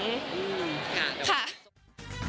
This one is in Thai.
ค่ะ